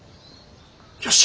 よし！